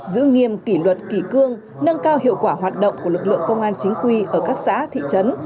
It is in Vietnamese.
giữ nghiêm kỷ luật kỳ cương nâng cao hiệu quả hoạt động của lực lượng công an chính quy ở các xã thị trấn